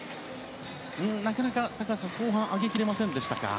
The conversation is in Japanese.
なかなか高橋さん後半、上げ切れませんでしたか？